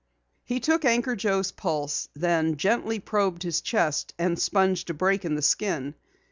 He took Anchor Joe's pulse, then gently probed his chest and sponged a break in the skin.